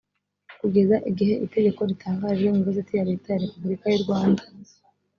kugeza igihe itegeko ritangarijwe mu igazeti ya leta ya repubulika y’u rwanda